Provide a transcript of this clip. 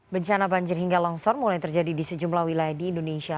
bencana banjir hingga longsor mulai terjadi di sejumlah wilayah di indonesia